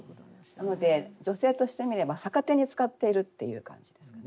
なので女性として見れば逆手に使っているっていう感じですかね。